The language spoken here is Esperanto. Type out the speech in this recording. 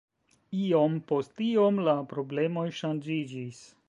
Iom post iom la problemoj ŝanĝiĝis.